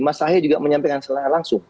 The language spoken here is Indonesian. mas sahih juga menyampaikan selain langsung